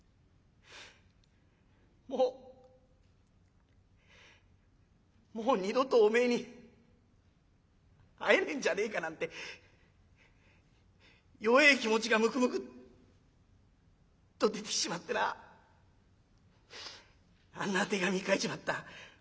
もうもう二度とおめえに会えねえんじゃねえかなんて弱え気持ちがむくむくっと出てきちまってなあんな手紙書いちまった。